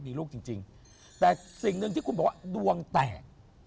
มีลูกจริงแต่สิ่งหนึ่งที่คุณบอกว่าดวงแตก